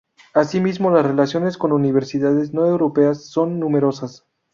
Así mismo las relaciones con universidades no europeas son numerosas.